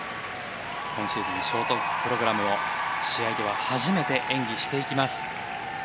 今シーズンショートプログラムを試合では初めて演技していきます。